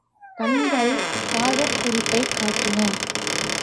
கண்கள் காதற் குறிப்பைக் காட்டின.